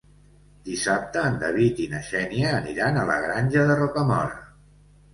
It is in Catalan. Dissabte en David i na Xènia aniran a la Granja de Rocamora.